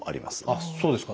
あっそうですか。